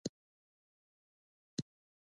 د زعفرانو لومړۍ اوبه کله ورکړم؟